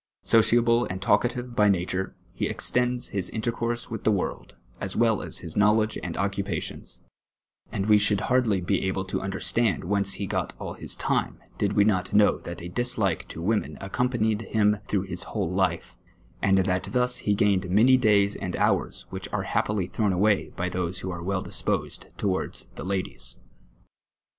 Sociable and talkative by nature, he extends his intercourse with the world, as wi'll aa his knowledge and occuj)ations ; and wc should hardly be able to imderstand whence he got all his time, did we not know that a dislike to women accompanied him through his whole life ; and that thus he gained many days and hours which arc happily throNm away by those who are well di.sposed towards the ladies.